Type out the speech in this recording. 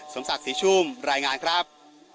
สมศักดิ์ศรีชุ่มรายงานครับ